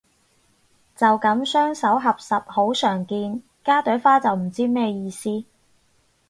就噉雙手合十好常見，加朵花就唔知咩意思